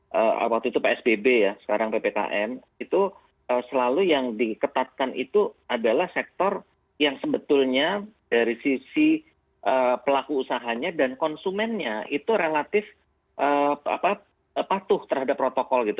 karena waktu itu psbb ya sekarang ppkm itu selalu yang diketatkan itu adalah sektor yang sebetulnya dari sisi pelaku usahanya dan konsumennya itu relatif patuh terhadap protokol gitu